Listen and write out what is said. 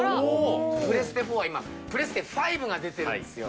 プレステ４は今、プレステ５が出てるんですよ。